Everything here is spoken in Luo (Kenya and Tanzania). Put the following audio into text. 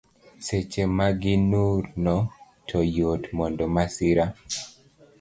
Seche ma gi nur no to yot mondo masira